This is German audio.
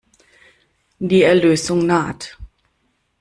Die Erlösung naht.